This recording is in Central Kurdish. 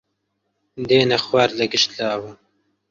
دێنە خوار لە گشت لاوە